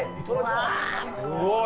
すごい！